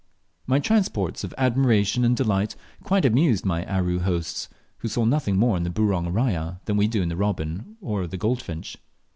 My transports of admiration and delight quite amused my Aru hosts, who saw nothing more in the "Burong raja" than we do in the robin of the goldfinch.